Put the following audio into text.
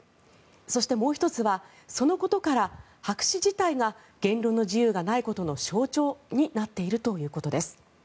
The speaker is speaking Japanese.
そして、もう１つはそのことから白紙自体が言論の自由がないことの象徴になっているということです。